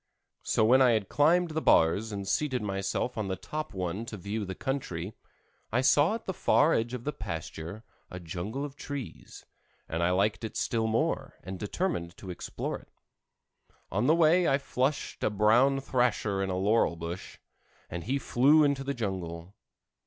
So when I had climbed the bars and seated myself on the top one to view the country, I saw at the far edge of the pasture, a jungle of trees, and I liked it still more, and determined to explore it. On the way I flushed a brown thrasher in a laurel bush, and he flew into the jungle.